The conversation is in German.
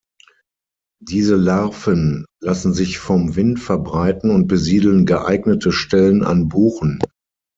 Diese Larven lassen sich vom Wind verbreiten und besiedeln geeignete Stellen an Buchen.